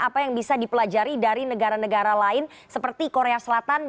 apa yang bisa dipelajari dari negara negara lain seperti korea selatan